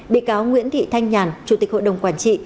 bị cáo nguyễn thị thanh nhàn chủ tịch hội đồng quản trị